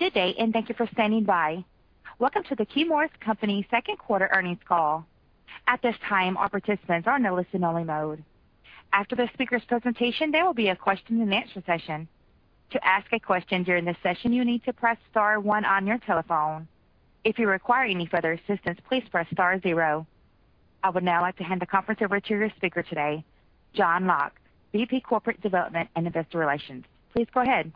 Good day, and thank you for standing by. Welcome to the Chemours Company Second Quarter Earnings Call. At this time, all participants are in a listen only mode. After the speaker's presentation, there will be a question-and-answer session. To ask a question during the session, you need to press star one on your telephone. If you require any further assistance, please press star zero. I would now like to hand the conference over to your speaker today, Jon Lock, VP Corporate Development and Investor Relations. Please go ahead.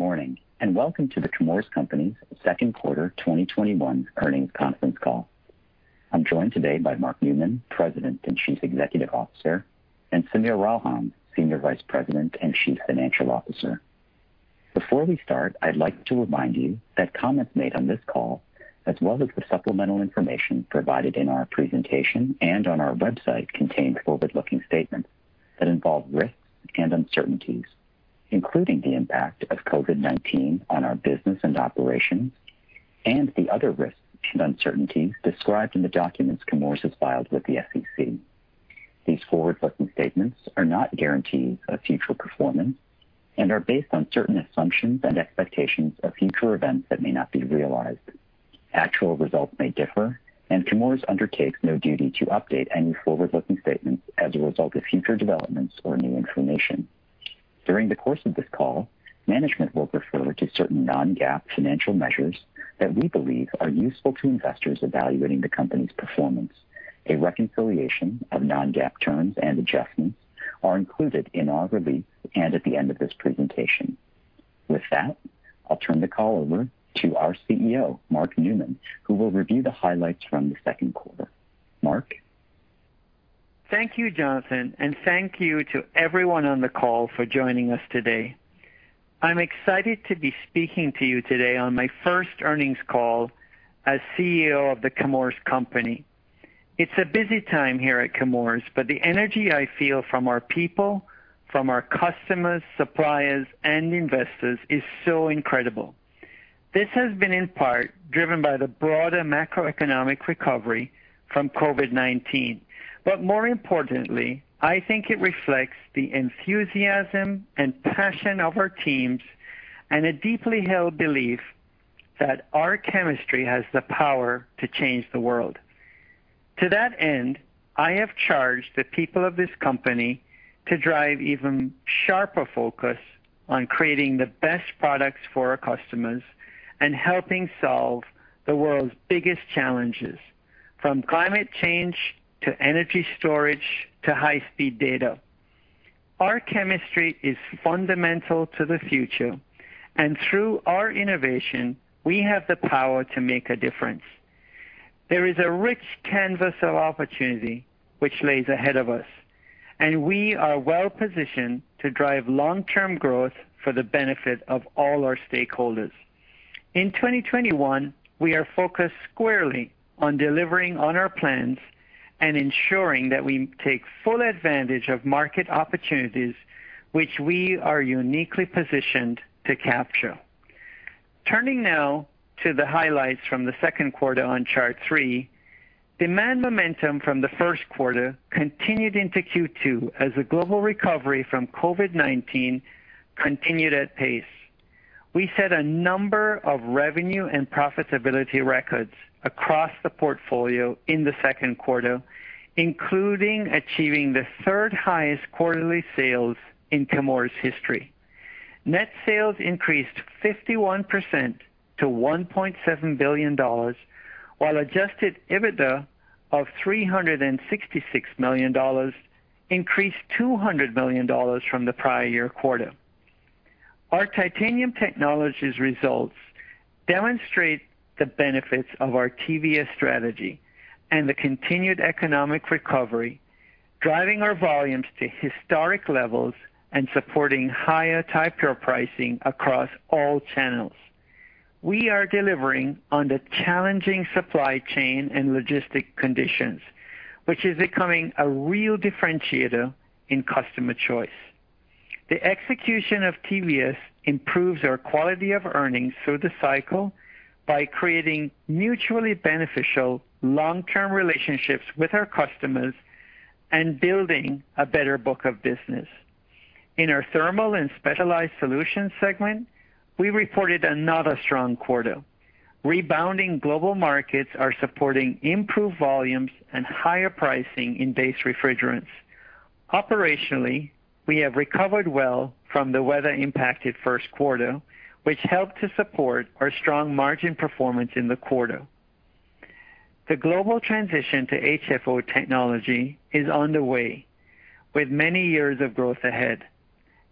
Good morning, welcome to The Chemours Company's second quarter 2021 earnings conference call. I'm joined today by Mark Newman, President and Chief Executive Officer, and Sameer Ralhan, Senior Vice President and Chief Financial Officer. Before we start, I'd like to remind you that comments made on this call, as well as the supplemental information provided in our presentation and on our website, contain forward-looking statements that involve risks and uncertainties, including the impact of COVID-19 on our business and operations, and the other risks and uncertainties described in the documents Chemours has filed with the SEC. These forward-looking statements are not guarantees of future performance and are based on certain assumptions and expectations of future events that may not be realized. Actual results may differ, Chemours undertakes no duty to update any forward-looking statements as a result of future developments or new information. During the course of this call, management will refer to certain non-GAAP financial measures that we believe are useful to investors evaluating the company's performance. A reconciliation of non-GAAP terms and adjustments are included in our release and at the end of this presentation. With that, I'll turn the call over to our CEO, Mark Newman, who will review the highlights from the second quarter. Mark? Thank you, Jonathan, and thank you to everyone on the call for joining us today. I'm excited to be speaking to you today on my first earnings call as CEO of The Chemours Company. It's a busy time here at Chemours, but the energy I feel from our people, from our customers, suppliers, and investors is so incredible. This has been in part driven by the broader macroeconomic recovery from COVID-19, but more importantly, I think it reflects the enthusiasm and passion of our teams and a deeply held belief that our chemistry has the power to change the world. To that end, I have charged the people of this company to drive even sharper focus on creating the best products for our customers and helping solve the world's biggest challenges, from climate change to energy storage to high-speed data. Our chemistry is fundamental to the future, and through our innovation, we have the power to make a difference. There is a rich canvas of opportunity which lays ahead of us, and we are well-positioned to drive long-term growth for the benefit of all our stakeholders. In 2021, we are focused squarely on delivering on our plans and ensuring that we take full advantage of market opportunities which we are uniquely positioned to capture. Turning now to the highlights from the second quarter on chart three, demand momentum from the first quarter continued into Q2 as the global recovery from COVID-19 continued at pace. We set a number of revenue and profitability records across the portfolio in the second quarter, including achieving the third highest quarterly sales in Chemours' history. Net sales increased 51% to $1.7 billion, while adjusted EBITDA of $366 million increased $200 million from the prior year quarter. Our Titanium Technologies results demonstrate the benefits of our TVS strategy and the continued economic recovery, driving our volumes to historic levels and supporting higher Ti-Pure pricing across all channels. We are delivering on the challenging supply chain and logistic conditions, which is becoming a real differentiator in customer choice. The execution of TVS improves our quality of earnings through the cycle by creating mutually beneficial long-term relationships with our customers and building a better book of business. In our Thermal & Specialized Solutions segment, we reported another strong quarter. Rebounding global markets are supporting improved volumes and higher pricing in base refrigerants. Operationally, we have recovered well from the weather-impacted first quarter, which helped to support our strong margin performance in the quarter. The global transition to HFO technology is underway with many years of growth ahead,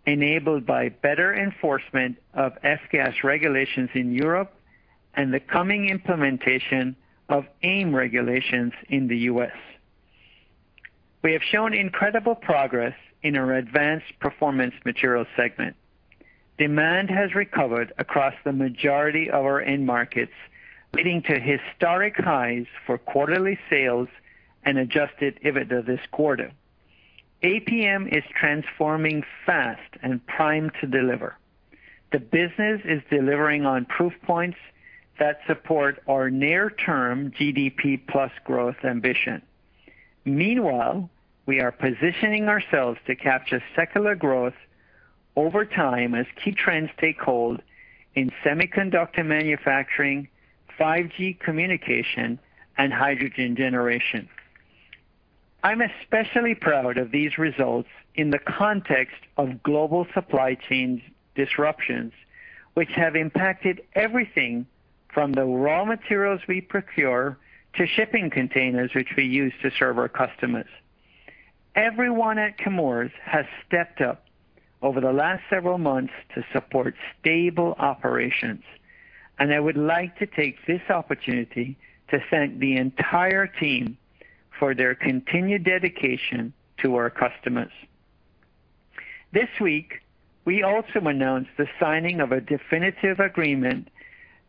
enabled by better enforcement of F-gas regulations in Europe and the coming implementation of AIM regulations in the U.S. We have shown incredible progress in our Advanced Performance Materials segment. Demand has recovered across the majority of our end markets, leading to historic highs for quarterly sales and adjusted EBITDA this quarter. APM is transforming fast and primed to deliver. The business is delivering on proof points that support our near-term GDP plus growth ambition. Meanwhile, we are positioning ourselves to capture secular growth over time as key trends take hold in semiconductor manufacturing, 5G communication, and hydrogen generation. I'm especially proud of these results in the context of global supply chain disruptions, which have impacted everything from the raw materials we procure to shipping containers, which we use to serve our customers. Everyone at Chemours has stepped up over the last several months to support stable operations. I would like to take this opportunity to thank the entire team for their continued dedication to our customers. This week, we also announced the signing of a definitive agreement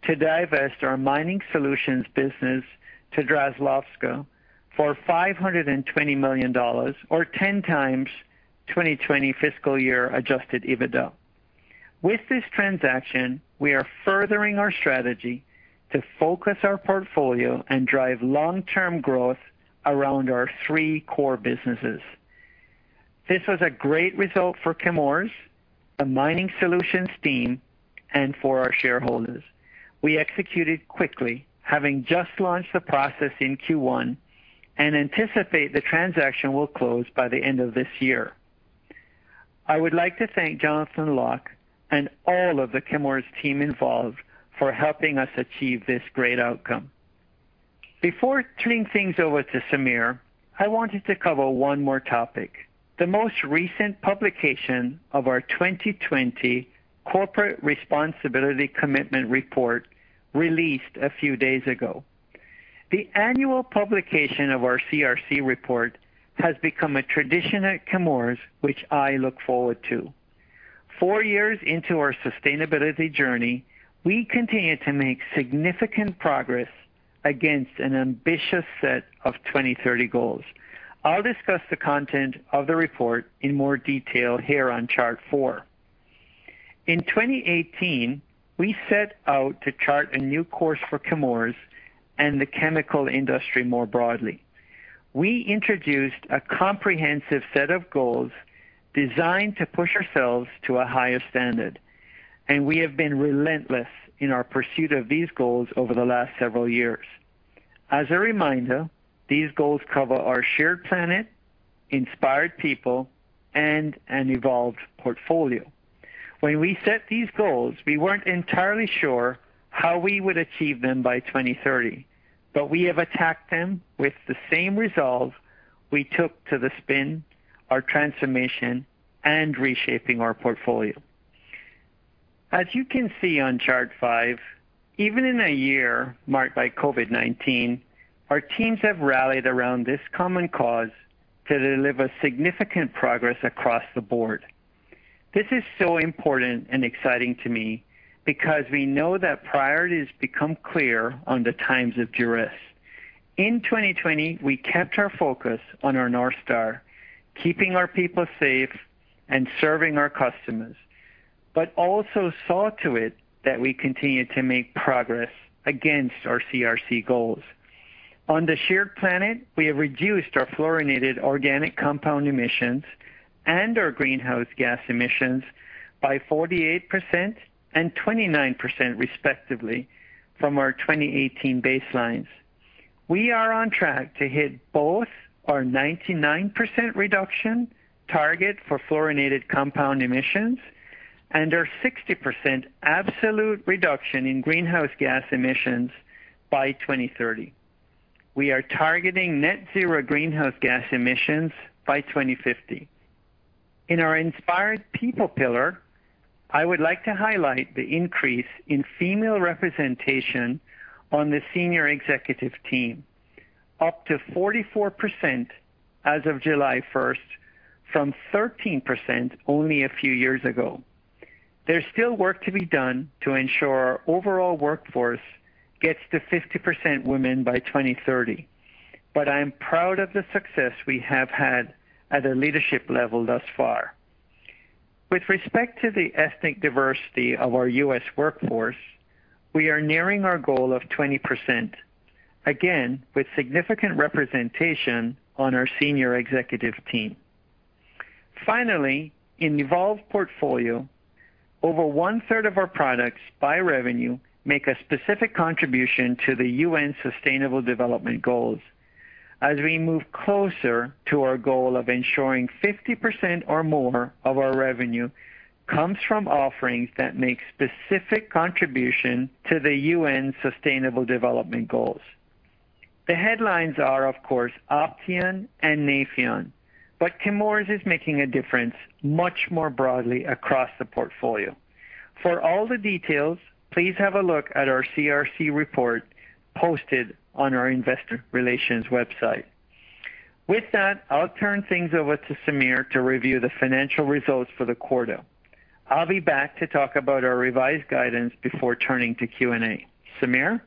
to divest our Mining Solutions business to Draslovka for $520 million, or 10x 2020 fiscal year adjusted EBITDA. With this transaction, we are furthering our strategy to focus our portfolio and drive long-term growth around our three core businesses. This was a great result for Chemours, the Mining Solutions team, and for our shareholders. We executed quickly, having just launched the process in Q1. We anticipate the transaction will close by the end of this year. I would like to thank Jonathan Lock and all of the Chemours team involved for helping us achieve this great outcome. Before turning things over to Sameer, I wanted to cover one more topic, the most recent publication of our 2020 Corporate Responsibility Commitment Report released a few days ago. The annual publication of our CRC Report has become a tradition at Chemours, which I look forward to. Four years into our sustainability journey, we continue to make significant progress against an ambitious set of 2030 goals. I'll discuss the content of the report in more detail here on chart four. In 2018, we set out to chart a new course for Chemours and the chemical industry more broadly. We introduced a comprehensive set of goals designed to push ourselves to a higher standard, and we have been relentless in our pursuit of these goals over the last several years. As a reminder, these goals cover our shared planet, inspired people, and an evolved portfolio. When we set these goals, we weren't entirely sure how we would achieve them by 2030, but we have attacked them with the same resolve we took to the spin, our transformation, and reshaping our portfolio. As you can see on chart five, even in a year marked by COVID-19, our teams have rallied around this common cause to deliver significant progress across the board. This is so important and exciting to me because we know that priorities become clear on the times of duress. In 2020, we kept our focus on our North Star, keeping our people safe and serving our customers, but also saw to it that we continued to make progress against our CRC goals. On the Shared Planet, we have reduced our fluorinated organic compound emissions and our greenhouse gas emissions by 48% and 29%, respectively, from our 2018 baselines. We are on track to hit both our 99% reduction target for fluorinated compound emissions and our 60% absolute reduction in greenhouse gas emissions by 2030. We are targeting net zero greenhouse gas emissions by 2050. In our Inspired People pillar, I would like to highlight the increase in female representation on the senior executive team up to 44% as of July 1st, from 13% only a few years ago. There's still work to be done to ensure our overall workforce gets to 50% women by 2030, but I am proud of the success we have had at a leadership level thus far. With respect to the ethnic diversity of our U.S. workforce, we are nearing our goal of 20%, again, with significant representation on our senior executive team. Finally, in evolved portfolio, over 1/3 of our products by revenue make a specific contribution to the UN Sustainable Development Goals as we move closer to our goal of ensuring 50% or more of our revenue comes from offerings that make specific contribution to the UN Sustainable Development Goals. The headlines are, of course, Opteon and Nafion, but Chemours is making a difference much more broadly across the portfolio. For all the details, please have a look at our CRC Report posted on our investor relations website. With that, I'll turn things over to Sameer to review the financial results for the quarter. I'll be back to talk about our revised guidance before turning to Q&A. Sameer?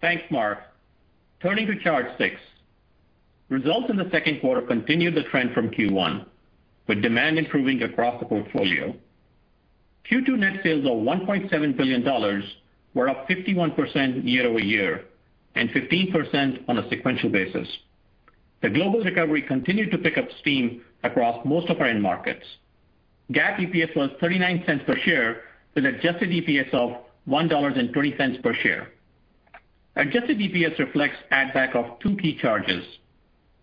Thanks, Mark. Turning to chart six, results in the second quarter continued the trend from Q1, with demand improving across the portfolio. Q2 net sales of $1.7 billion were up 51% year-over-year, and 15% on a sequential basis. The global recovery continued to pick up steam across most of our end markets. GAAP EPS was $0.39 per share, with adjusted EPS of $1.20 per share. Adjusted EPS reflects add back of two key charges,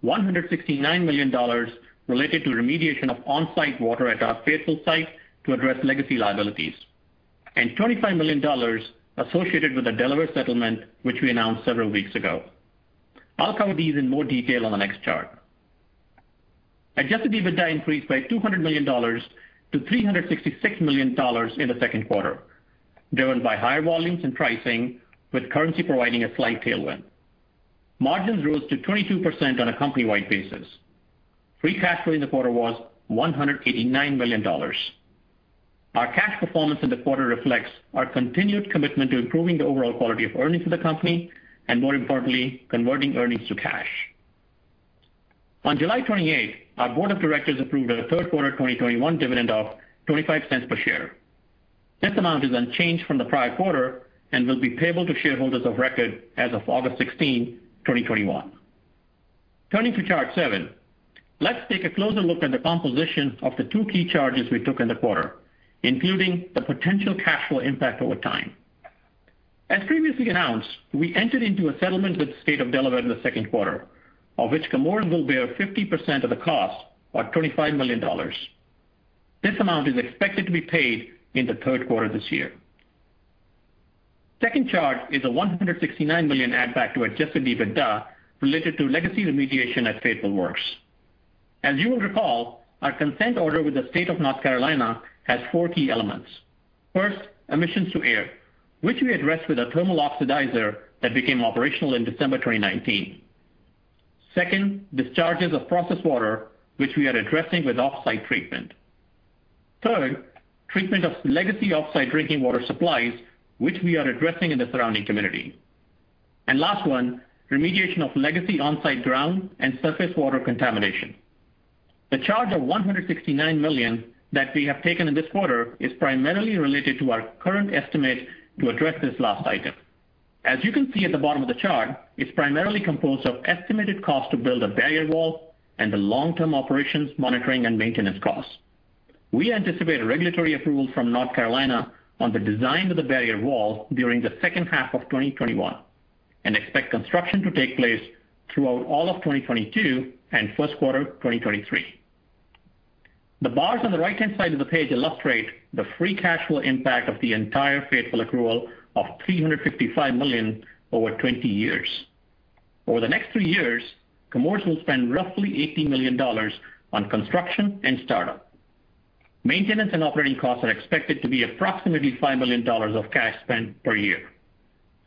$169 million related to remediation of on-site water at our Fayetteville site to address legacy liabilities, and $25 million associated with the Delaware settlement, which we announced several weeks ago. I'll cover these in more detail on the next chart. Adjusted EBITDA increased by $200 million to $366 million in the second quarter, driven by higher volumes and pricing, with currency providing a slight tailwind. Margins rose to 22% on a company-wide basis. Free cash flow in the quarter was $189 million. Our cash performance in the quarter reflects our continued commitment to improving the overall quality of earnings for the company, and more importantly, converting earnings to cash. On July 28th, our board of directors approved a third quarter 2021 dividend of $0.25 per share. This amount is unchanged from the prior quarter and will be payable to shareholders of record as of August 16, 2021. Turning to chart seven, let's take a closer look at the composition of the two key charges we took in the quarter, including the potential cash flow impact over time. As previously announced, we entered into a settlement with the State of Delaware in the second quarter, of which Chemours will bear 50% of the cost, or $25 million. This amount is expected to be paid in the third quarter this year. Second chart is a $169 million add back to adjusted EBITDA related to legacy remediation at Fayetteville Works. As you will recall, our consent order with the State of North Carolina has four key elements. First, emissions to air, which we addressed with a thermal oxidizer that became operational in December 2019. Second, discharges of processed water, which we are addressing with off-site treatment. Third, treatment of legacy off-site drinking water supplies, which we are addressing in the surrounding community. Last one, remediation of legacy on-site ground and surface water contamination. The charge of $169 million that we have taken in this quarter is primarily related to our current estimate to address this last item. As you can see at the bottom of the chart, it's primarily composed of estimated cost to build a barrier wall and the long-term operations monitoring and maintenance costs. We anticipate regulatory approval from North Carolina on the design of the barrier wall during the second half of 2021, and expect construction to take place throughout all of 2022 and first quarter 2023. The bars on the right-hand side of the page illustrate the free cash flow impact of the entire Fayetteville accrual of $355 million over 20 years. Over the next three years, Chemours will spend roughly $80 million on construction and startup. Maintenance and operating costs are expected to be approximately $5 million of cash spend per year.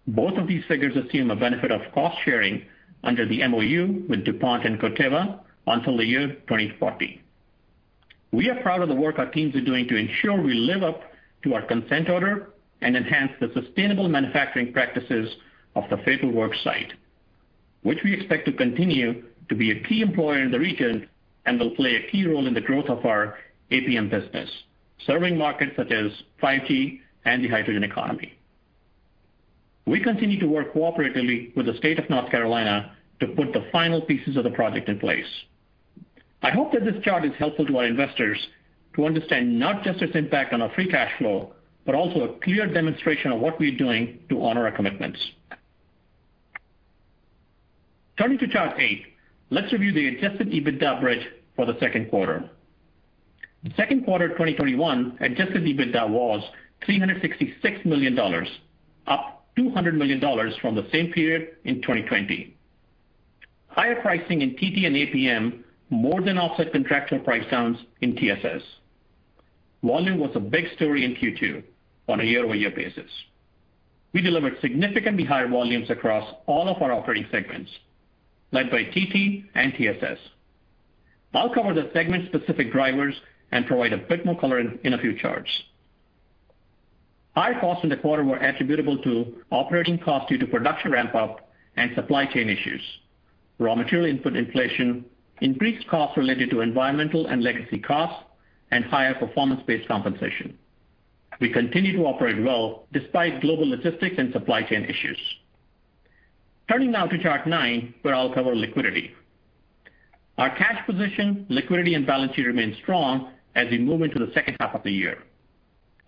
Both of these figures assume a benefit of cost sharing under the MOU with DuPont and Corteva until the year 2040. We are proud of the work our teams are doing to ensure we live up to our consent order and enhance the sustainable manufacturing practices of the Fayetteville Works site, which we expect to continue to be a key employer in the region and will play a key role in the growth of our APM business, serving markets such as 5G and the hydrogen economy. We continue to work cooperatively with the State of North Carolina to put the final pieces of the project in place. I hope that this chart is helpful to our investors to understand not just its impact on our free cash flow, but also a clear demonstration of what we're doing to honor our commitments. Turning to chart eight, let's review the adjusted EBITDA bridge for the second quarter. The second quarter 2021 adjusted EBITDA was $366 million, up $200 million from the same period in 2020. Higher pricing in TT and APM more than offset contractual price downs in TSS. Volume was a big story in Q2 on a year-over-year basis. We delivered significantly higher volumes across all of our operating segments, led by TT and TSS. I'll cover the segment-specific drivers and provide a bit more color in a few charts. High costs in the quarter were attributable to operating costs due to production ramp-up and supply chain issues, raw material input inflation, increased costs related to environmental and legacy costs, and higher performance-based compensation. We continue to operate well despite global logistics and supply chain issues. Turning now to chart nine, where I'll cover liquidity. Our cash position, liquidity, and balance sheet remain strong as we move into the second half of the year.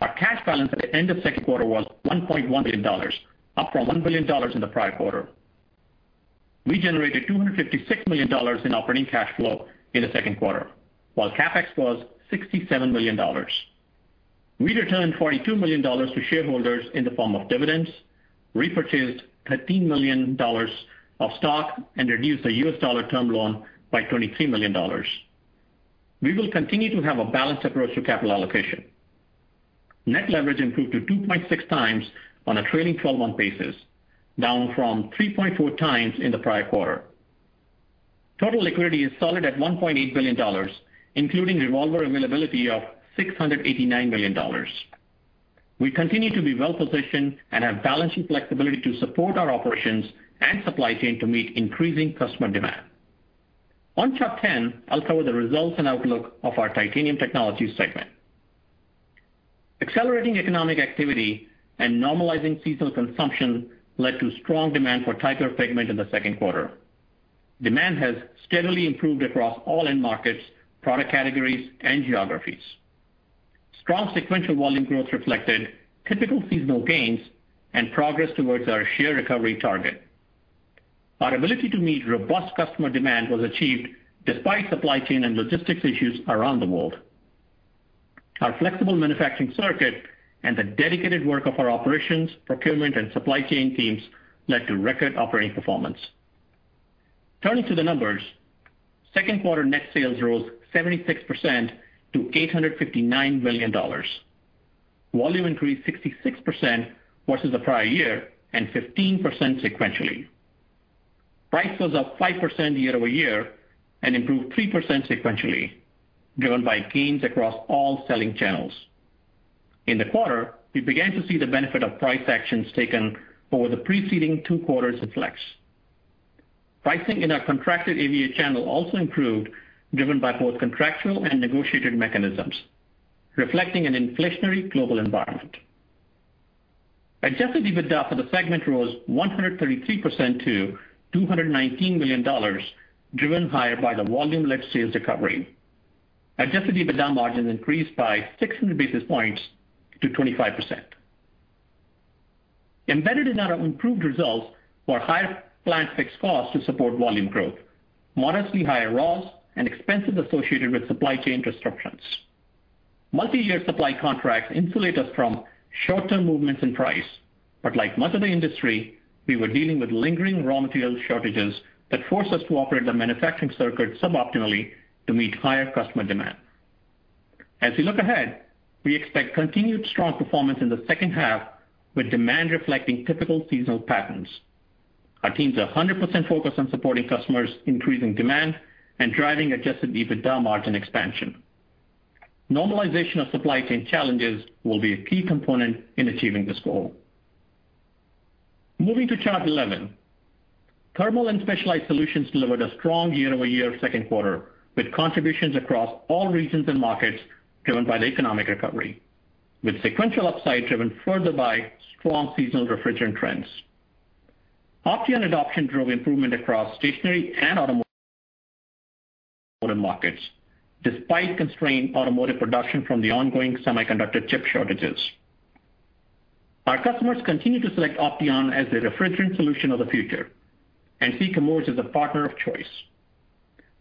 Our cash balance at the end of second quarter was $1.1 billion, up from $1 billion in the prior quarter. We generated $256 million in operating cash flow in the second quarter, while CapEx was $67 million. We returned $42 million to shareholders in the form of dividends, repurchased $13 million of stock, and reduced the U.S. dollar term loan by $23 million. We will continue to have a balanced approach to capital allocation. Net leverage improved to 2.6x on a trailing 12-month basis, down from 3.4x in the prior quarter. Total liquidity is solid at $1.8 billion, including revolver availability of $689 million. We continue to be well-positioned and have balancing flexibility to support our operations and supply chain to meet increasing customer demand. On Chart 10, I'll cover the results and outlook of our Titanium Technologies segment. Accelerating economic activity and normalizing seasonal consumption led to strong demand for Ti-Pure pigment in the second quarter. Demand has steadily improved across all end markets, product categories, and geographies. Strong sequential volume growth reflected typical seasonal gains and progress towards our share recovery target. Our ability to meet robust customer demand was achieved despite supply chain and logistics issues around the world. Our flexible manufacturing circuit and the dedicated work of our operations, procurement, and supply chain teams led to record operating performance. Turning to the numbers, second quarter net sales rose 76% to $859 million. Volume increased 66% versus the prior year, and 15% sequentially. Price was up 5% year-over-year, and improved 3% sequentially, driven by gains across all selling channels. In the quarter, we began to see the benefit of price actions taken over the preceding two quarters at Flex. Pricing in our contracted AVA channel also improved, driven by both contractual and negotiated mechanisms, reflecting an inflationary global environment. Adjusted EBITDA for the segment rose 133% to $219 million, driven higher by the volume-led sales recovery. Adjusted EBITDA margins increased by 600 basis points to 25%. Embedded in our improved results were higher plant fixed costs to support volume growth, modestly higher raws, and expenses associated with supply chain disruptions. Multi-year supply contracts insulate us from short-term movements in price, but like much of the industry, we were dealing with lingering raw material shortages that forced us to operate the manufacturing circuit suboptimally to meet higher customer demand. As we look ahead, we expect continued strong performance in the second half, with demand reflecting typical seasonal patterns. Our teams are 100% focused on supporting customers' increasing demand and driving adjusted EBITDA margin expansion. Normalization of supply chain challenges will be a key component in achieving this goal. Moving to Chart 11. Thermal & Specialized Solutions delivered a strong year-over-year second quarter, with contributions across all regions and markets driven by the economic recovery, with sequential upside driven further by strong seasonal refrigerant trends. Opteon adoption drove improvement across stationary and automotive markets, despite constrained automotive production from the ongoing semiconductor chip shortages. Our customers continue to select Opteon as their refrigerant solution of the future, and see Chemours as a partner of choice.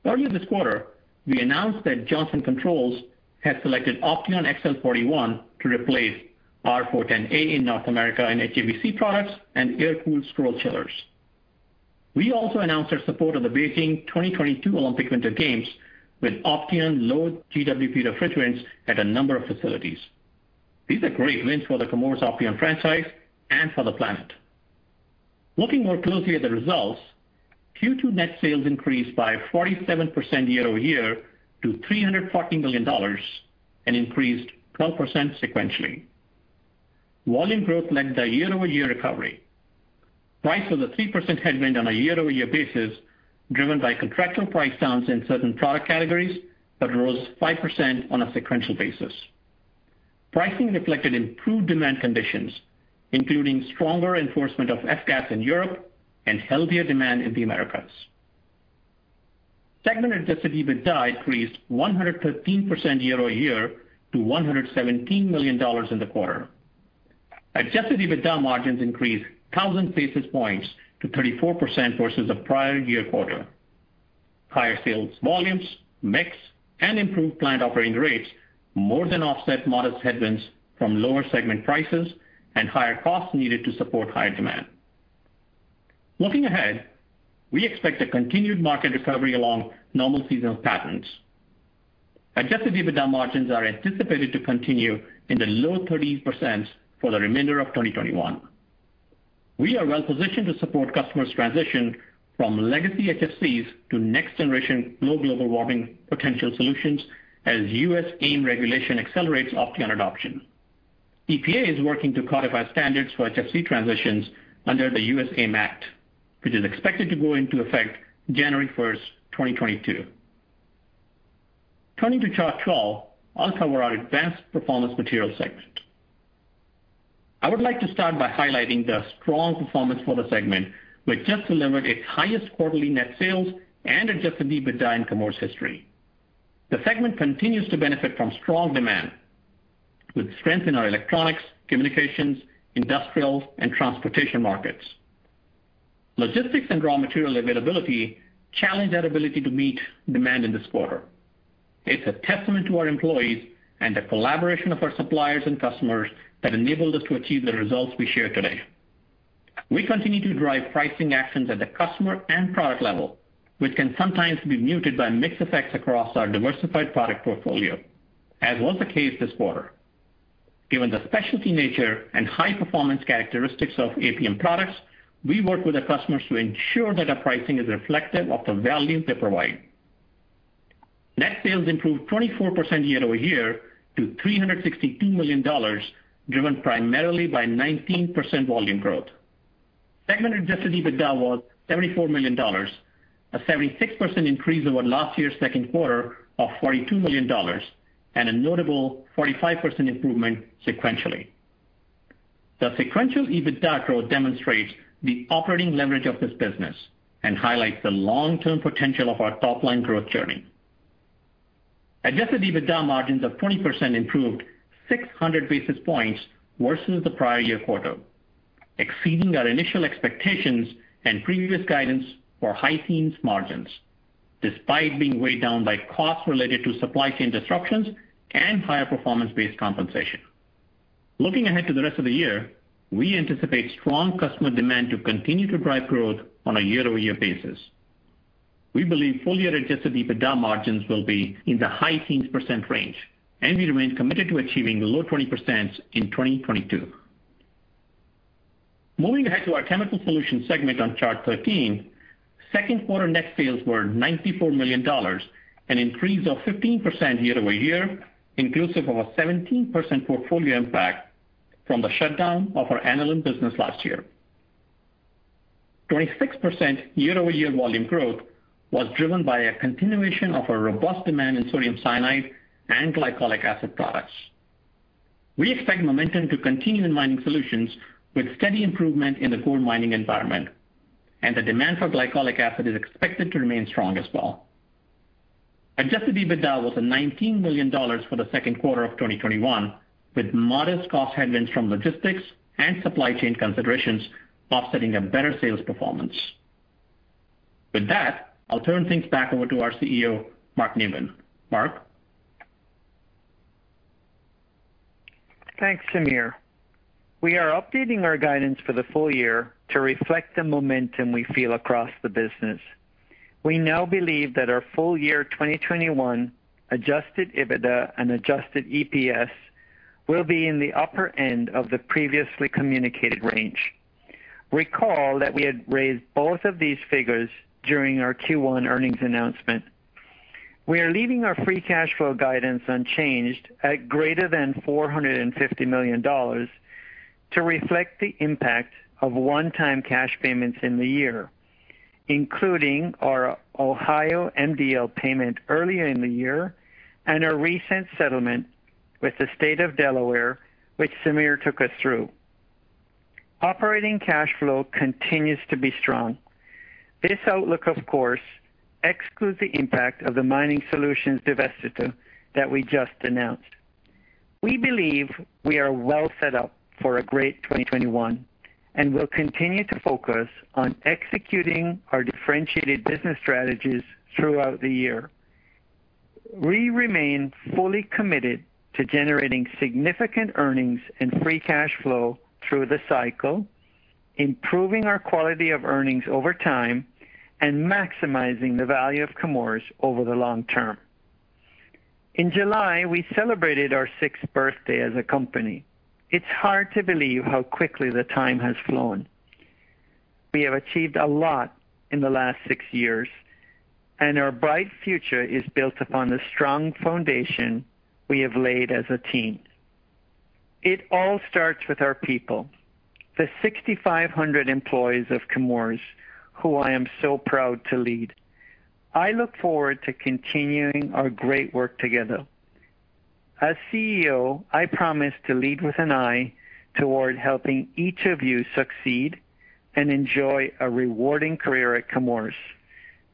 Earlier this quarter, we announced that Johnson Controls had selected Opteon XL41 to replace R-410A in North America in HVAC products and air-cooled scroll chillers. We also announced our support of the Beijing 2022 Olympic Winter Games with Opteon low GWP refrigerants at a number of facilities. These are great wins for the Chemours Opteon franchise and for the planet. Looking more closely at the results, Q2 net sales increased by 47% year-over-year to $314 million and increased 12% sequentially. Volume growth led the year-over-year recovery. Price was a 3% headwind on a year-over-year basis, driven by contractual price downs in certain product categories, but rose 5% on a sequential basis. Pricing reflected improved demand conditions, including stronger enforcement of F-gas in Europe and healthier demand in the Americas. Segment adjusted EBITDA increased 113% year-over-year to $117 million in the quarter. Adjusted EBITDA margins increased 1,000 basis points to 34% versus the prior year quarter. Higher sales volumes, mix, and improved plant operating rates more than offset modest headwinds from lower segment prices and higher costs needed to support higher demand. Looking ahead, we expect a continued market recovery along normal seasonal patterns. Adjusted EBITDA margins are anticipated to continue in the low 30% for the remainder of 2021. We are well positioned to support customers' transition from legacy HFCs to next generation low Global Warming Potential solutions as US AIM Act accelerates Opteon adoption. EPA is working to codify standards for HFC transitions under the US AIM Act, which is expected to go into effect January 1st, 2022. Turning to Chart 12, I'll cover our Advanced Performance Materials segment. I would like to start by highlighting the strong performance for the segment, which just delivered its highest quarterly net sales and adjusted EBITDA in Chemours' history. The segment continues to benefit from strong demand, with strength in our electronics, communications, industrials, and transportation markets. Logistics and raw material availability challenged our ability to meet demand in this quarter. It's a testament to our employees and the collaboration of our suppliers and customers that enabled us to achieve the results we share today. We continue to drive pricing actions at the customer and product level, which can sometimes be muted by mix effects across our diversified product portfolio, as was the case this quarter. Given the specialty nature and high-performance characteristics of APM products, we work with our customers to ensure that our pricing is reflective of the value they provide. Net sales improved 24% year-over-year to $362 million, driven primarily by 19% volume growth. Segment adjusted EBITDA was $74 million, a 76% increase over last year's second quarter of $42 million, and a notable 45% improvement sequentially. The sequential EBITDA growth demonstrates the operating leverage of this business and highlights the long-term potential of our top-line growth journey. Adjusted EBITDA margins of 20% improved 600 basis points worse than the prior year quarter, exceeding our initial expectations and previous guidance for high teens margins, despite being weighed down by costs related to supply chain disruptions and higher performance-based compensation. Looking ahead to the rest of the year, we anticipate strong customer demand to continue to drive growth on a year-over-year basis. We believe full-year adjusted EBITDA margins will be in the high teens percent range, and we remain committed to achieving the low 20s in 2022. Moving ahead to our Chemical Solutions segment on Chart 13, second quarter net sales were $94 million, an increase of 15% year-over-year, inclusive of a 17% portfolio impact from the shutdown of our Aniline business last year. 26% year-over-year volume growth was driven by a continuation of a robust demand in sodium cyanide and glycolic acid products. We expect momentum to continue in Mining Solutions with steady improvement in the coal mining environment, and the demand for glycolic acid is expected to remain strong as well. Adjusted EBITDA was at $19 million for the second quarter of 2021, with modest cost headwinds from logistics and supply chain considerations offsetting a better sales performance. With that, I'll turn things back over to our CEO, Mark Newman. Mark? Thanks, Sameer. We are updating our guidance for the full year to reflect the momentum we feel across the business. We now believe that our full year 2021 adjusted EBITDA and adjusted EPS will be in the upper end of the previously communicated range. Recall that we had raised both of these figures during our Q1 earnings announcement. We are leaving our free cash flow guidance unchanged at greater than $450 million to reflect the impact of one-time cash payments in the year, including our Ohio MDL payment earlier in the year and our recent settlement with the State of Delaware, which Sameer took us through. Operating cash flow continues to be strong. This outlook, of course, excludes the impact of the Mining Solutions divestiture that we just announced. We believe we are well set up for a great 2021 and will continue to focus on executing our differentiated business strategies throughout the year. We remain fully committed to generating significant earnings and free cash flow through the cycle, improving our quality of earnings over time, and maximizing the value of Chemours over the long term. In July, we celebrated our sixth birthday as a company. It's hard to believe how quickly the time has flown. We have achieved a lot in the last six years, and our bright future is built upon the strong foundation we have laid as a team. It all starts with our people, the 6,500 employees of Chemours, who I am so proud to lead. I look forward to continuing our great work together. As CEO, I promise to lead with an eye toward helping each of you succeed and enjoy a rewarding career at Chemours.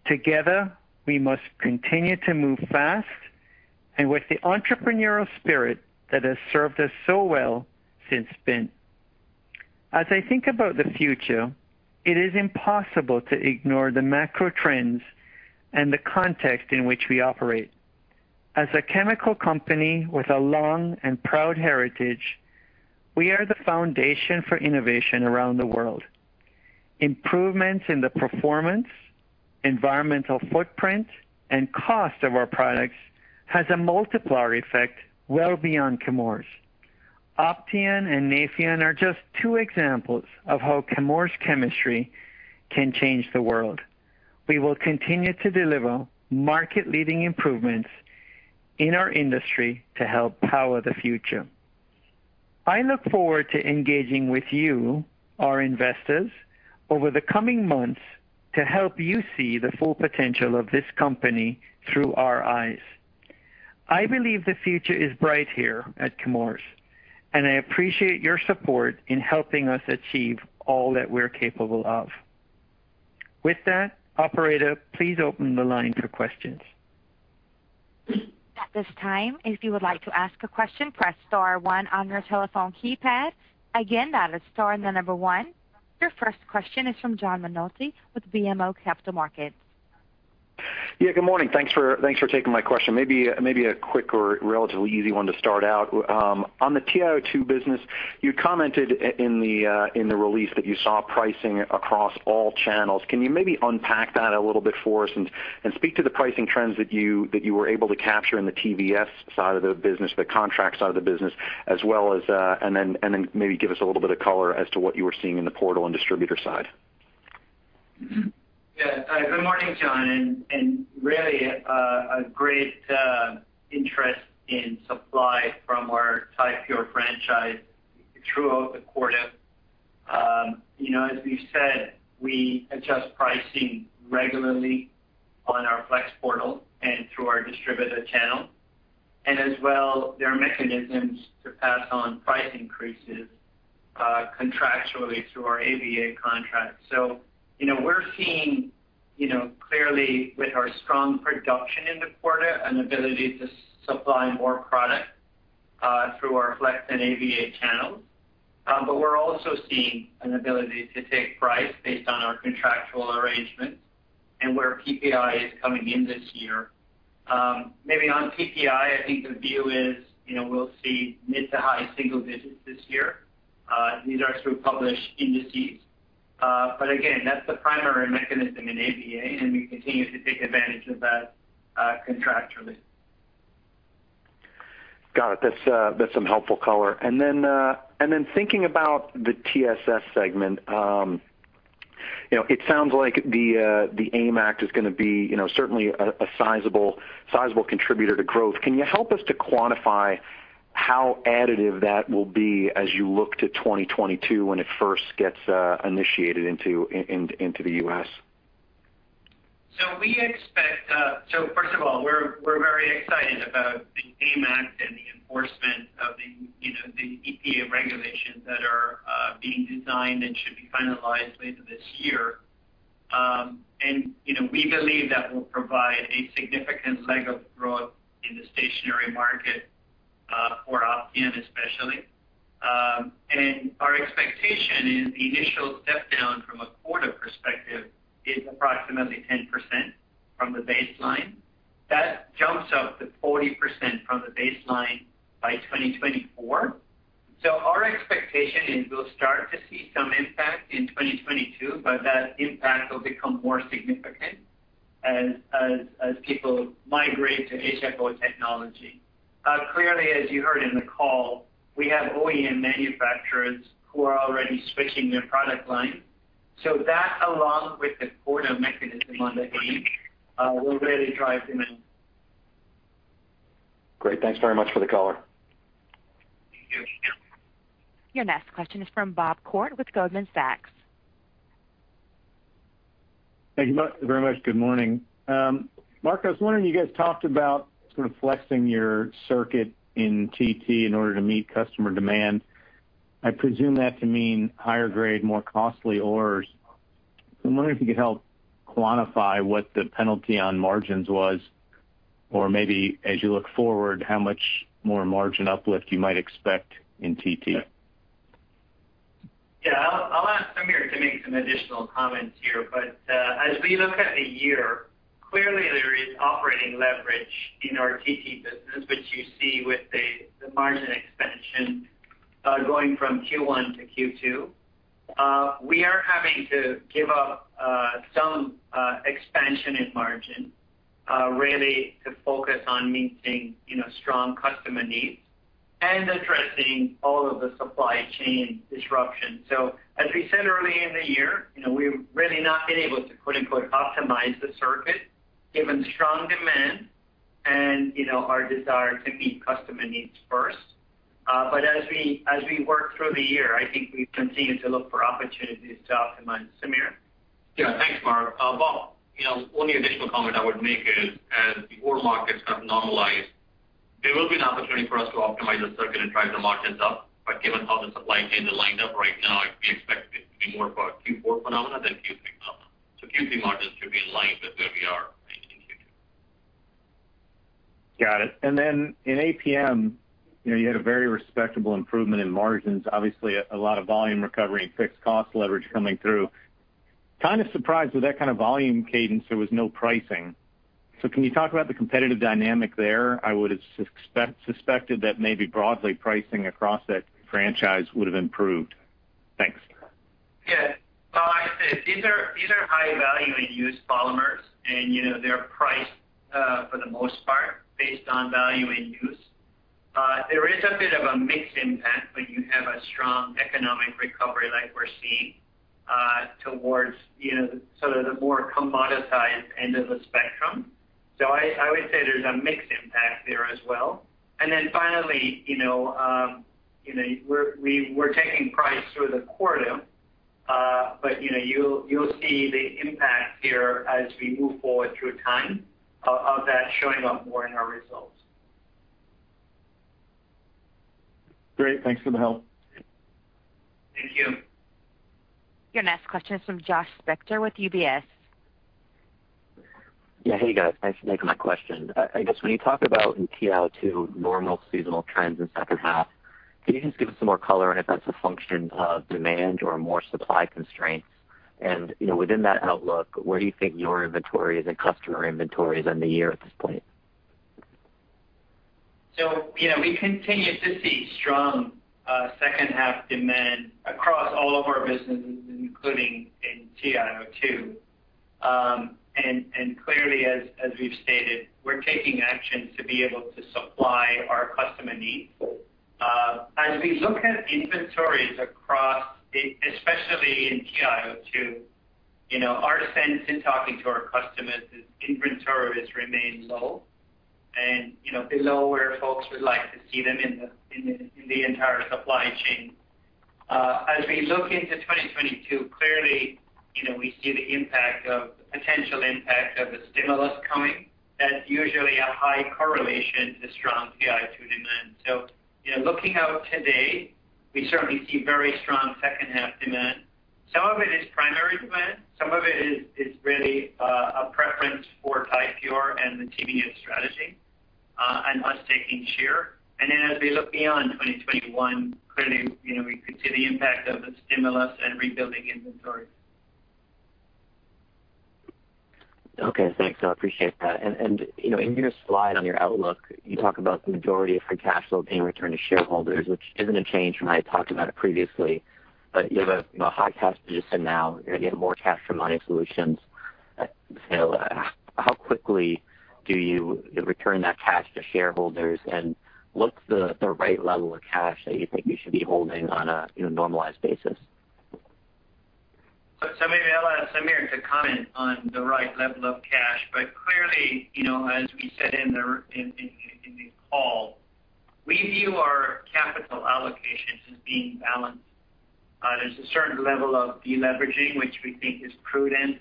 Together, we must continue to move fast and with the entrepreneurial spirit that has served us so well since spin. As I think about the future, it is impossible to ignore the macro trends and the context in which we operate. As a chemical company with a long and proud heritage, we are the foundation for innovation around the world. Improvements in the performance, environmental footprint, and cost of our products has a multiplier effect well beyond Chemours. Opteon and Nafion are just two examples of how Chemours chemistry can change the world. We will continue to deliver market-leading improvements in our industry to help power the future. I look forward to engaging with you, our investors, over the coming months to help you see the full potential of this company through our eyes. I believe the future is bright here at Chemours, and I appreciate your support in helping us achieve all that we're capable of. With that, operator, please open the line for questions. At this time, if you would like to ask a question, press star one on your telephone keypad. Again, that is star and the number one. Your first question is from John McNulty with BMO Capital Markets. Yeah, good morning. Thanks for taking my question. Maybe a quick or relatively easy one to start out. On the TiO2 business, you commented in the release that you saw pricing across all channels. Can you maybe unpack that a little bit for us and speak to the pricing trends that you were able to capture in the TVS side of the business, the contract side of the business, and then maybe give us a little bit of color as to what you were seeing in the portal and distributor side? Yeah. Good morning, John, really a great interest in supply from our Ti-Pure franchise throughout the quarter. As we've said, we adjust pricing regularly on our Flex portal and through our distributor channel. As well, there are mechanisms to pass on price increases contractually through our AVA contract. We're seeing, clearly with our strong production in the quarter, an ability to supply more product through our Flex and AVA channels. We're also seeing an ability to take price based on our contractual arrangements and where PPI is coming in this year. Maybe on PPI, I think the view is, we'll see mid to high single digits this year. These are through published indices. Again, that's the primary mechanism in AVA, and we continue to take advantage of that contractually. Got it. That's some helpful color. Then, thinking about the TSS segment. It sounds like the AIM Act is going to be certainly a sizable contributor to growth. Can you help us to quantify how additive that will be as you look to 2022 when it first gets initiated into the U.S.? First of all, we're very excited about the AIM Act and the enforcement of the EPA regulations that are being designed and should be finalized later this year. We believe that will provide a significant leg of growth in the stationary market for Opteon especially. Our expectation is the initial step down from a quarter perspective is approximately 10% from the baseline. That jumps up to 40% from the baseline by 2024. Our expectation is we'll start to see some impact in 2022, but that impact will become more significant as people migrate to HFO technology. Clearly, as you heard in the call, we have OEM manufacturers who are already switching their product line. That, along with the quarter mechanism on the AIM, will really drive demand. Great. Thanks very much for the color. Your next question is from Bob Koort with Goldman Sachs. Thank you very much. Good morning. Mark, I was wondering, you guys talked about sort of flexing your circuit in TT in order to meet customer demand. I presume that to mean higher grade, more costly ores. I'm wondering if you could help quantify what the penalty on margins was, or maybe as you look forward, how much more margin uplift you might expect in TT. Yeah. I'll ask Sameer to make some additional comments here. As we look at the year, clearly there is operating leverage in our TT business, which you see with the margin expansion going from Q1 to Q2. We are having to give up some expansion in margin, really to focus on meeting strong customer needs and addressing all of the supply chain disruption. As we said early in the year, we've really not been able to quote unquote, "optimize the circuit" given strong demand and our desire to meet customer needs first. As we work through the year, I think we continue to look for opportunities to optimize. Sameer? Yeah. Thanks, Mark. Bob, only additional comment I would make is as the ore markets have normalized, there will be an opportunity for us to optimize the circuit and drive the margins up. Given how the supply chains are lined up right now, we expect it to be more of a Q4 phenomenon than Q3 phenomenon. Q3 margins should be in line with where we are in Q2. Got it. In APM, you had a very respectable improvement in margins. Obviously, a lot of volume recovery and fixed cost leverage coming through. Kind of surprised with that kind of volume cadence, there was no pricing. Can you talk about the competitive dynamic there? I would have suspected that maybe broadly pricing across that franchise would have improved. Thanks. Yeah. These are high value and use polymers, they're priced, for the most part, based on value and use. There is a bit of a mixed impact when you have a strong economic recovery like we're seeing towards the more commoditized end of the spectrum. I would say there's a mixed impact there as well. Finally, we're taking price through the quarter. You'll see the impact here as we move forward through time of that showing up more in our results. Great. Thanks for the help. Thank you. Your next question is from Josh Spector with UBS. Hey, guys. Thanks for taking my question. I guess when you talk about in TiO2 normal seasonal trends in second half, can you just give us some more color on if that's a function of demand or more supply constraints? Within that outlook, where do you think your inventory is and customer inventory is in the year at this point? We continue to see strong second-half demand across all of our businesses, including in TiO2. Clearly, as we've stated, we're taking action to be able to supply our customer needs. As we look at inventories across, especially in TiO2, our sense in talking to our customers is inventories remain low and below where folks would like to see them in the entire supply chain. As we look into 2022, clearly, we see the potential impact of a stimulus coming. That's usually a high correlation to strong TiO2 demand. Looking out today, we certainly see very strong second-half demand. Some of it is primary demand. Some of it is really a preference for Ti-Pure and the TVS strategy, and us taking share. As we look beyond 2021, clearly, we could see the impact of a stimulus and rebuilding inventories. Okay. Thanks, I appreciate that. In your slide on your outlook, you talk about the majority of free cash flow being returned to shareholders, which isn't a change from how you talked about it previously, but you have a high cash position now. You have more cash from Mining Solutions. How quickly do you return that cash to shareholders, and what's the right level of cash that you think you should be holding on a normalized basis? Maybe I'll ask Sameer to comment on the right level of cash. Clearly, as we said in the call, we view our capital allocations as being balanced. There's a certain level of de-leveraging, which we think is prudent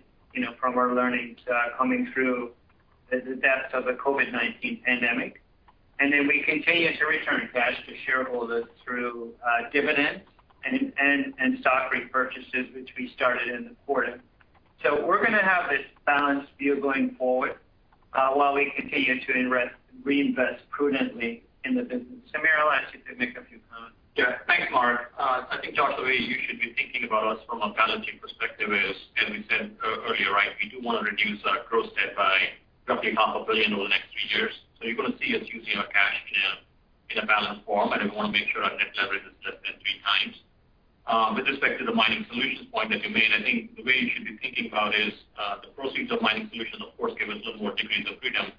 from our learnings coming through the depths of the COVID-19 pandemic. We continue to return cash to shareholders through dividends and stock repurchases, which we started in the quarter. We're going to have this balanced view going forward while we continue to reinvest prudently in the business. Sameer, I'll ask you to make a few comments. Thanks, Mark. I think, Josh, the way you should be thinking about us from a balancing perspective is, as we said earlier, we do want to reduce our gross debt by roughly half a billion over the next 3 years. You're going to see us using our cash in a balanced form, and we want to make sure our net leverage is less than 3x. With respect to the Mining Solutions point that you made, I think the way you should be thinking about is the proceeds of Mining Solutions, of course, give us some more degrees of freedom.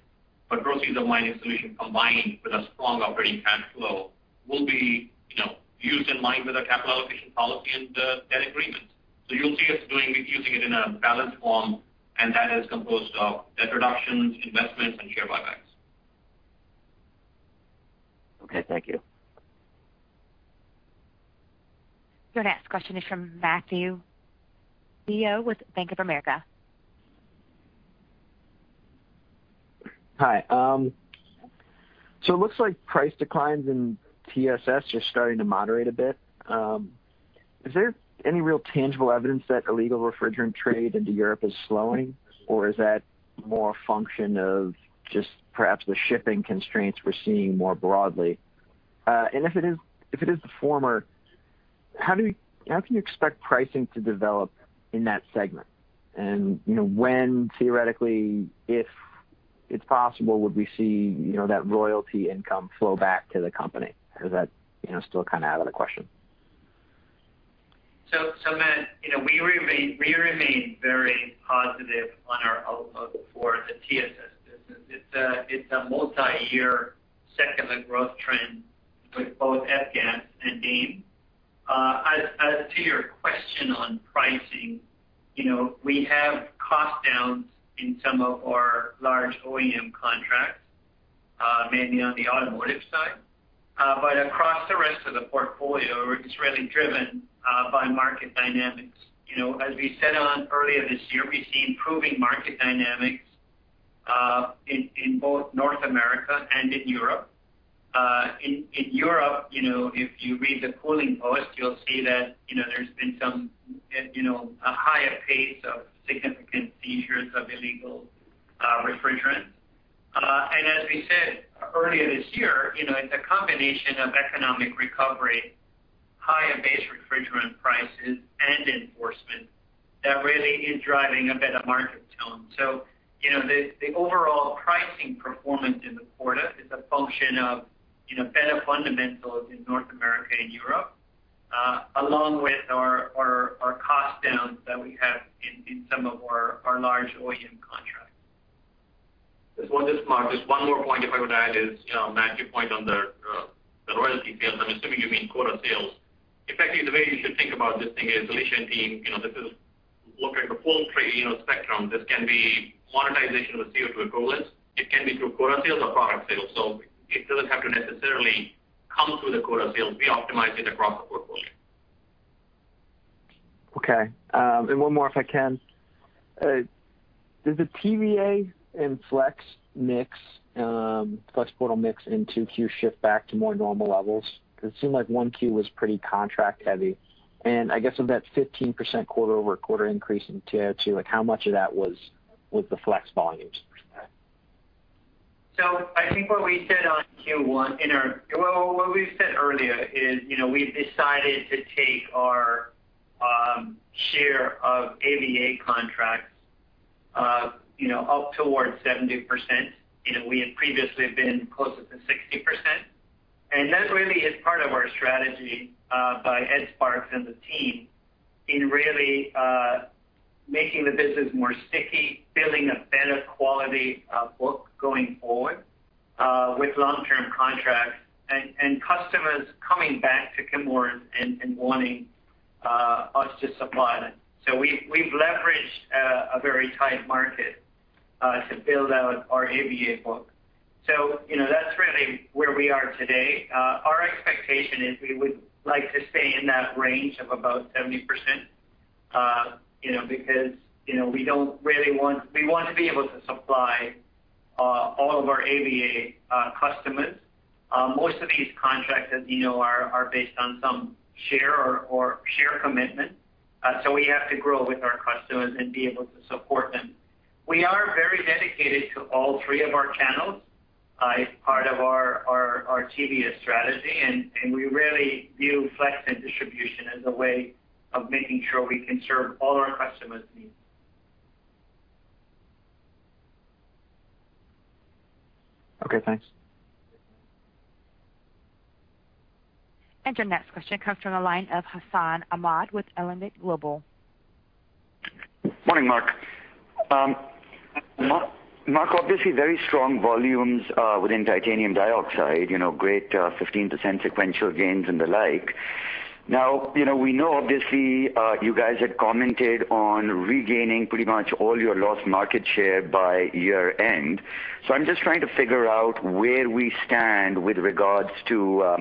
Proceeds of Mining Solutions combined with a strong operating cash flow will be used in line with our capital allocation policy and debt agreements. You'll see us using it in a balanced form, and that is composed of debt reductions, investments, and share buybacks. Okay, thank you. Your next question is from Matthew DeYoe with Bank of America. Hi. It looks like price declines in TSS just starting to moderate a bit. Is there any real tangible evidence that illegal refrigerant trade into Europe is slowing, or is that more a function of just perhaps the shipping constraints we're seeing more broadly? If it is the former, how can you expect pricing to develop in that segment? When, theoretically, if it's possible, would we see that royalty income flow back to the company, or is that still out of the question? Matt, we remain very positive on our outlook for the TSS business. It's a multi-year secular growth trend with both F-gas and AIM. As to your question on pricing, we have cost-downs in some of our large OEM contracts mainly on the automotive side. Across the rest of the portfolio, it's really driven by market dynamics. As we said earlier this year, we see improving market dynamics in both North America and in Europe. In Europe, if you read the Cooling Post, you'll see that there's been a higher pace of significant seizures of illegal refrigerants. As we said earlier this year, it's a combination of economic recovery, higher base refrigerant prices, and enforcement that really is driving a better market tone. The overall pricing performance in the quarter is a function of better fundamentals in North America and Europe along with our cost-downs that we have in some of our large OEM contracts. Just one, Mark. Just one more point, if I could add, is Matt, your point on the royalty sales, I'm assuming you mean quota sales. Effectively, the way you should think about this thing is Alisha and team, this is looking at the full spectrum. This can be monetization of CO2 equivalents. It can be through quota sales or product sales. It doesn't have to necessarily come through the quota sales. We optimize it across the portfolio. Okay. One more, if I can. Did the TVS and Flex portal mix in 2Q shift back to more normal levels? It seemed like 1Q was pretty contract heavy, and I guess of that 15% quarter-over-quarter increase in TiO2, how much of that was the Flex volumes for that? I think Well, what we've said earlier is we've decided to take our share of AVA contracts up towards 70%. We had previously been closer to 60%, and that really is part of our strategy by Ed Sparks and the team in really making the business more sticky, building a better quality of book going forward with long-term contracts, and customers coming back to Chemours and wanting us to supply them. We've leveraged a very tight market to build out our AVA book. That's really where we are today. Our expectation is we would like to stay in that range of about 70%, because we want to be able to supply all of our AVA customers. Most of these contracts, as you know, are based on some share or share commitment. We have to grow with our customers and be able to support them. We are very dedicated to all three of our channels as part of our TVS strategy, and we really view Flex and distribution as a way of making sure we can serve all our customers' needs. Okay. Thanks. Your next question comes from the line of Hassan Ahmed with Alembic Global Advisors. Morning, Mark. Obviously very strong volumes within titanium dioxide, great 15% sequential gains and the like. We know obviously, you guys had commented on regaining pretty much all your lost market share by year-end. I'm just trying to figure out where we stand with regards to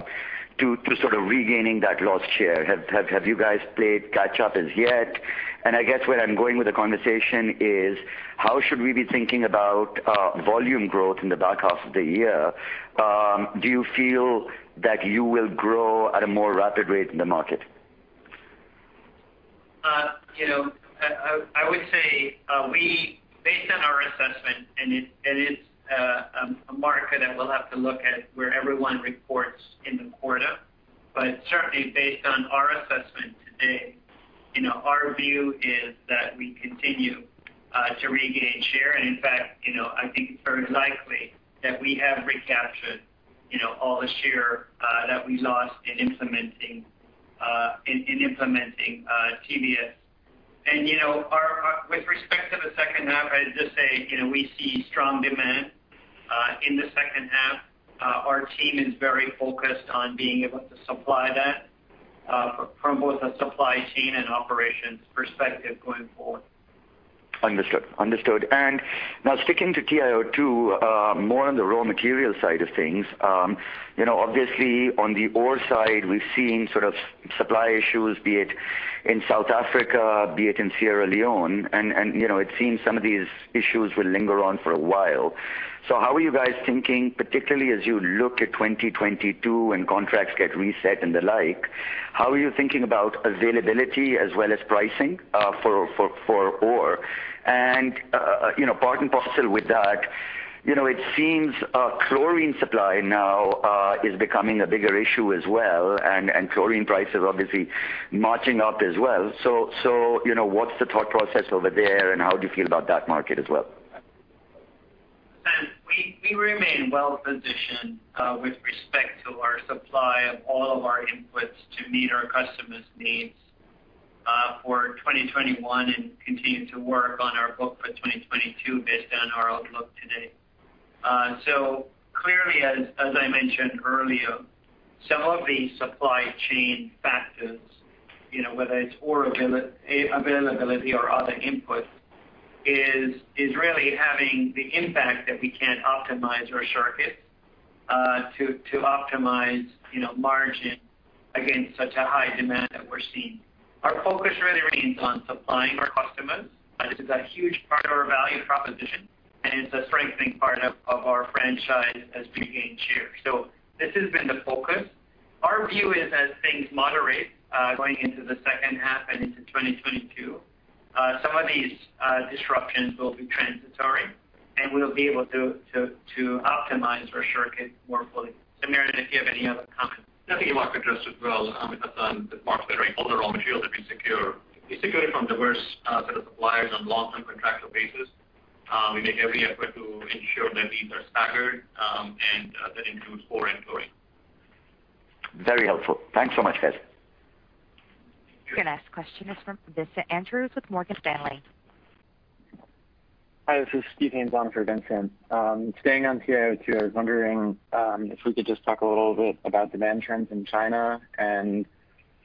sort of regaining that lost share. Have you guys played catch up as yet? I guess where I'm going with the conversation is, how should we be thinking about volume growth in the back half of the year? Do you feel that you will grow at a more rapid rate than the market? I would say based on our assessment, it is a market that we'll have to look at where everyone reports in the quarter. Certainly based on our assessment today, our view is that we continue to regain share. In fact, I think it's very likely that we have recaptured all the share that we lost in implementing TVS. With respect to the second half, I'd just say, we see strong demand in the second half. Our team is very focused on being able to supply that from both a supply chain and operations perspective going forward. Understood. Now sticking to TiO2, more on the raw material side of things. Obviously, on the ore side, we've seen sort of supply issues, be it in South Africa, be it in Sierra Leone, and it seems some of these issues will linger on for a while. How are you guys thinking, particularly as you look at 2022 and contracts get reset and the like, how are you thinking about availability as well as pricing for ore? Part and parcel with that, it seems chlorine supply now is becoming a bigger issue as well, and chlorine prices obviously marching up as well. What's the thought process over there, and how do you feel about that market as well? We remain well-positioned with respect to our supply of all of our inputs to meet our customers' needs for 2021 and continue to work on our book for 2022 based on our outlook today. Clearly, as I mentioned earlier, some of the supply chain factors, whether it's ore availability or other inputs, is really having the impact that we can't optimize or shortcut to optimize margin against such a high demand that we're seeing. Our focus really remains on supplying our customers. This is a huge part of our value proposition, and it's a strengthening part of our franchise as we gain share. This has been the focus. Our view is as things moderate going into the second half and into 2022, some of these disruptions will be transitory, and we'll be able to optimize or shortcut more fully. Sameer, if you have any other comments. Nothing Mark addressed as well. On the marks that are all the raw material that we secure, we secure it from diverse set of suppliers on long-term contractual basis. We make every effort to ensure their needs are staggered, and that includes ore and chlorine. Very helpful. Thanks so much, guys. Your next question is from Vincent Andrews with Morgan Stanley. Hi, this is Steven Haynes on for Vincent. Staying on TiO2, I was wondering if we could just talk a little bit about demand trends in China and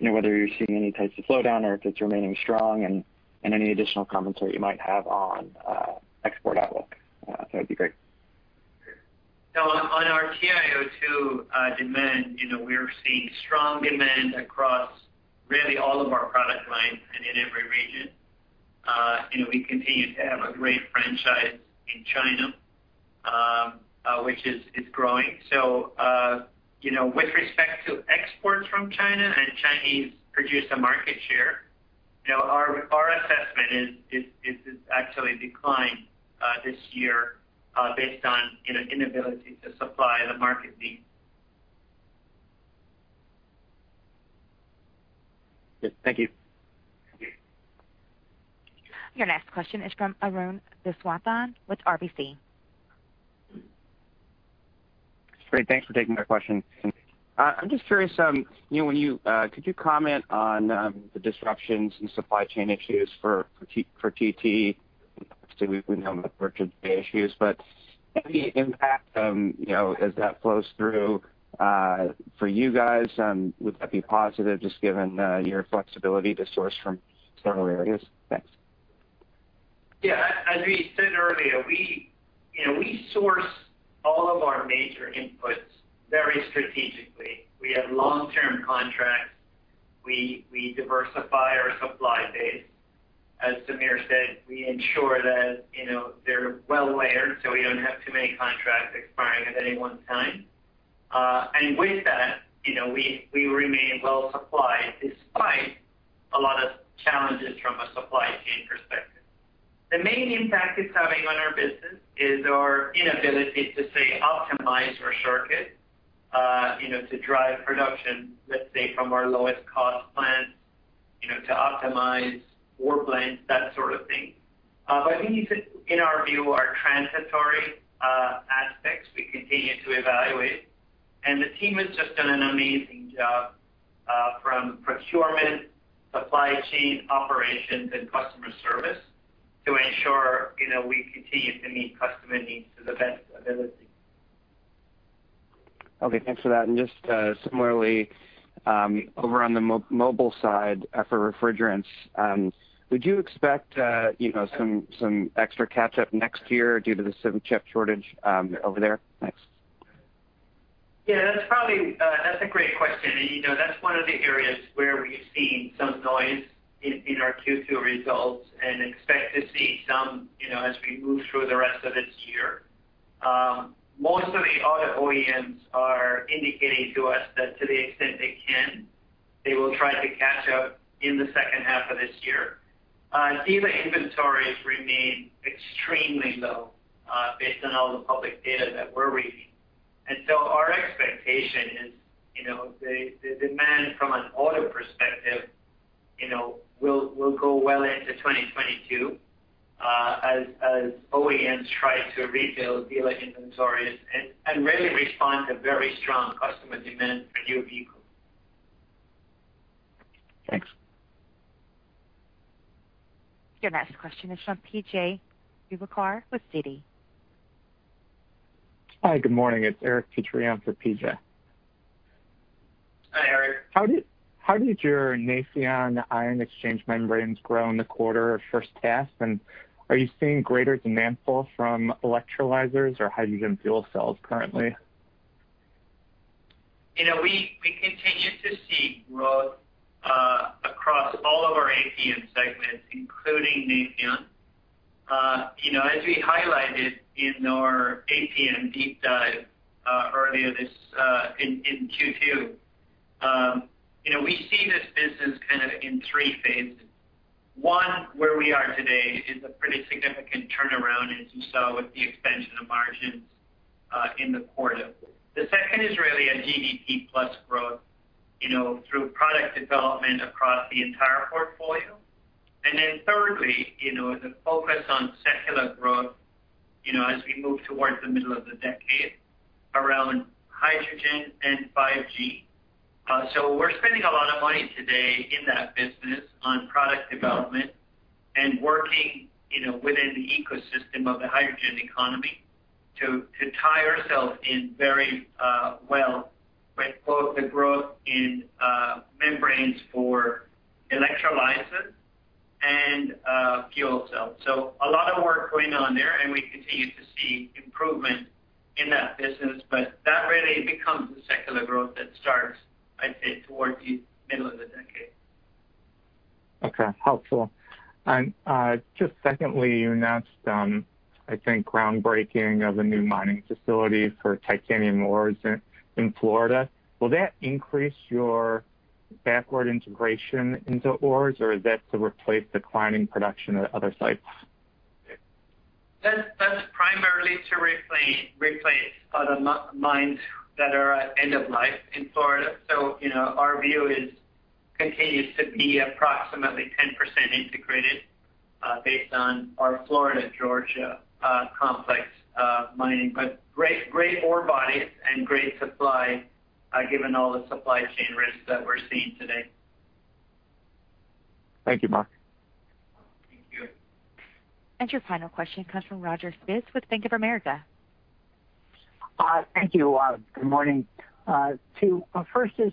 whether you're seeing any types of slowdown or if it's remaining strong, and any additional commentary you might have on export outlook. That'd be great. Sure. On our TiO2 demand, we are seeing strong demand across really all of our product lines and in every region. We continue to have a great franchise in China, which is growing. With respect to exports from China and Chinese producer market share, our assessment is it actually declined this year based on inability to supply the market need. Good. Thank you. Thank you. Your next question is from Arun Viswanathan with RBC. Great. Thanks for taking my question. I'm just curious, could you comment on the disruptions and supply chain issues for TT? Obviously, we know about the purchase issues, but any impact as that flows through for you guys? Would that be positive, just given your flexibility to source from several areas? Thanks. Yeah. As we said earlier, we source all of our major inputs very strategically. We have long-term contracts. We diversify our supply base. As Sameer said, we ensure that they're well-layered, so we don't have too many contracts expiring at any one time. With that, we remain well supplied despite a lot of challenges from a supply chain perspective. The main impact it's having on our business is our inability to, say, optimize or shortcut to drive production, let's say, from our lowest cost plants to optimize our plans, that sort of thing. These, in our view, are transitory aspects we continue to evaluate. The team has just done an amazing job from procurement, supply chain operations, and customer service to ensure we continue to meet customer needs to the best of our ability. Okay, thanks for that. Just similarly, over on the mobile side for refrigerants, would you expect some extra catch-up next year due to the chip shortage over there? Thanks. Yeah, that's a great question. That's one of the areas where we've seen some noise in our Q2 results and expect to see some as we move through the rest of this year. Most of the auto OEMs are indicating to us that to the extent they can, they will try to catch up in the second half of this year. Dealer inventories remain extremely low based on all the public data that we're reading. Our expectation is the demand from an auto perspective will go well into 2022, as OEMs try to refill dealer inventories and really respond to very strong customer demand for new vehicles. Thanks. Your next question is from PJ Juvekar with Citi. Hi. Good morning. It's Eric Petrie for PJ. Hi, Eric. How did your Nafion ion exchange membranes grow in the quarter or first half? Are you seeing greater demand pull from electrolyzers or hydrogen fuel cells currently? We continue to see growth across all of our APM segments, including Nafion. As we highlighted in our APM deep dive earlier in Q2, we see this business kind of in three phases. One, where we are today is a pretty significant turnaround, as you saw with the expansion of margins in the quarter. The second is really a GDP plus growth through product development across the entire portfolio. Then thirdly, the focus on secular growth as we move towards the middle of the decade around hydrogen and 5G. We're spending a lot of money today in that business on product development and working within the ecosystem of the hydrogen economy to tie ourselves in very well with both the growth in membranes for electrolysis and fuel cells. A lot of work going on there, and we continue to see improvement in that business. That really becomes the secular growth that starts, I'd say, towards the middle of the decade. Okay. Helpful. Just secondly, you announced, I think, groundbreaking of a new mining facility for titanium ores in Florida. Will that increase your backward integration into ores, or is that to replace declining production at other sites? That's primarily to replace other mines that are at end of life in Florida. Our view continues to be approximately 10% integrated based on our Florida-Georgia complex mining. Great ore bodies and great supply given all the supply chain risks that we're seeing today. Thank you, Mark. Thank you. Your final question comes from Roger Spitz with Bank of America. Thank you. Good morning. First is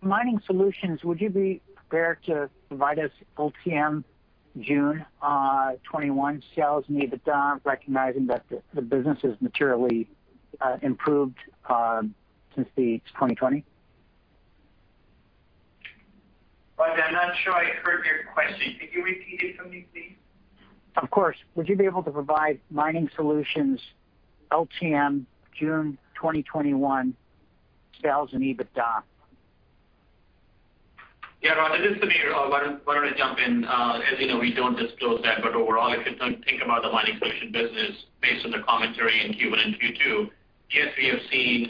Mining Solutions. Would you be prepared to provide us LTM June 2021 sales and EBITDA, recognizing that the business has materially improved since 2020? Roger, I'm not sure I heard your question. Could you repeat it for me, please? Of course. Would you be able to provide Mining Solutions LTM June 2021 sales and EBITDA? Yeah, Roger, this is Sameer. Why don't I jump in? As you know, we don't disclose that. Overall, if you think about the Mining Solutions business based on the commentary in Q1 and Q2, yes, we have seen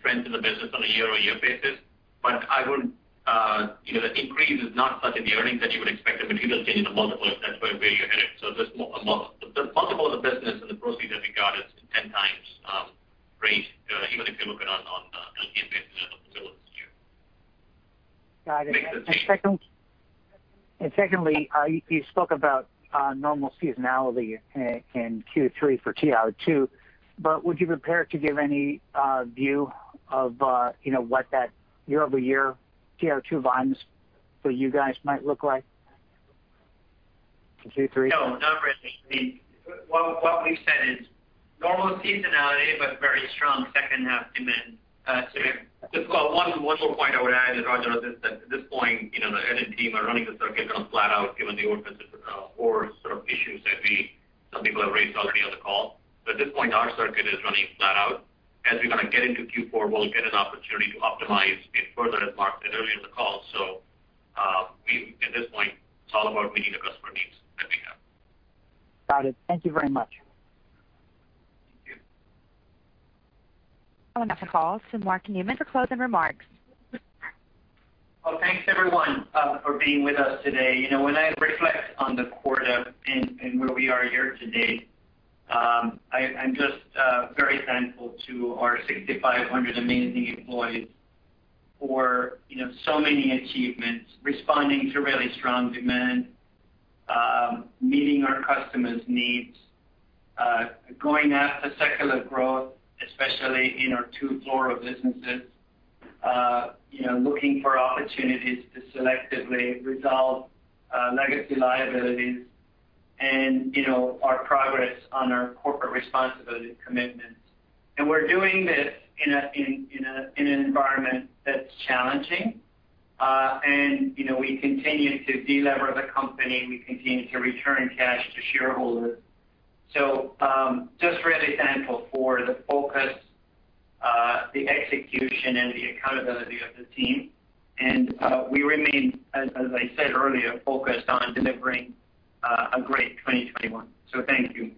strength in the business on a year-over-year basis. The increase is not such in the earnings that you would expect a material change in the multiple if that's where you're headed. The multiple of the business and the proceeds that we got is 10x rate, even if you're looking on a facility this year. Got it. Secondly, you spoke about normal seasonality in Q3 for TiO2, but would you be prepared to give any view of what that year-over-year TiO2 volumes for you guys might look like for Q3? No, not really. What we've said is normal seasonality, but very strong second half demand. Just one more point I would add is, Roger, that at this point, the management team are running the circuit on flat out given the order or sort of issues that some people have raised already on the call. At this point, our circuit is running flat out. As we kind of get into Q4, we'll get an opportunity to optimize it further, as Mark said earlier in the call. At this point, it's all about meeting the customer needs that we have. Got it. Thank you very much. Thank you. That's all the calls. Mark, can you make the closing remarks? Thanks, everyone, for being with us today. When I reflect on the quarter and where we are here today, I'm just very thankful to our 6,500 amazing employees for so many achievements, responding to really strong demand, meeting our customers' needs, going after secular growth, especially in our two Fluoro businesses, looking for opportunities to selectively resolve legacy liabilities and our progress on our corporate responsibility commitments. We're doing this in an environment that's challenging. We continue to de-lever the company. We continue to return cash to shareholders. Just really thankful for the focus, the execution and the accountability of the team. We remain, as I said earlier, focused on delivering a great 2021. Thank you.